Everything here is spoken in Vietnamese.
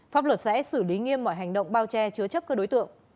pháp luật sẽ xử lý nghiêm mọi hành động bao che chứa chấp các đối tượng